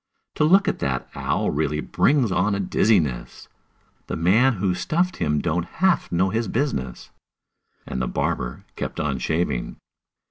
To look at that owl really brings on a dizziness; The man who stuffed him don't half know his business!" And the barber kept on shaving.